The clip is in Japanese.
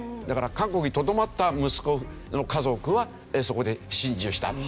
だから韓国にとどまった息子の家族はそこで心中した。